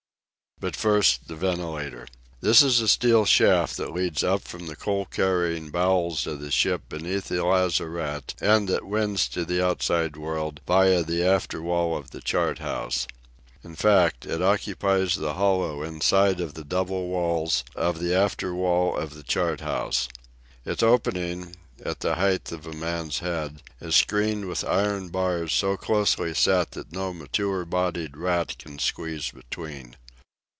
But first, the ventilator. This is a steel shaft that leads up from the coal carrying bowels of the ship beneath the lazarette and that wins to the outside world via the after wall of the chart house. In fact, it occupies the hollow inside of the double walls of the afterwall of the chart house. Its opening, at the height of a man's head, is screened with iron bars so closely set that no mature bodied rat can squeeze between.